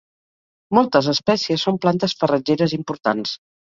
Moltes espècies són plantes farratgeres importants.